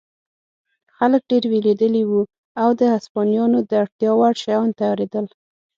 خلک ډېر وېرېدلي وو او د هسپانویانو د اړتیا وړ شیان تیارېدل.